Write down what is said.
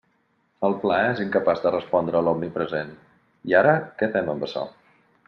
El pla és incapaç de respondre a l'omnipresent «¿i ara què fem amb açò?».